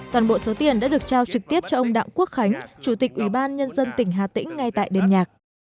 toàn bộ số tiền đã được trao trực tiếp cho ông đặng quốc khánh chủ tịch ủy ban nhân dân tỉnh hà tĩnh ngay tại đêm nhạc